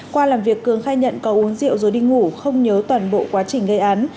qua làm việc cường khai nhận có uống rượu rồi đi ngủ không nhớ toàn bộ quá trình gây án